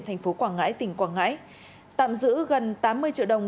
thành phố quảng ngãi tỉnh quảng ngãi tạm giữ gần tám mươi triệu đồng